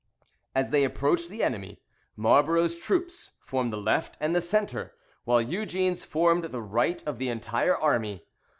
As they approached the enemy, Marlborough's troops formed the left and the centre, while Eugene's formed the right of the entire army.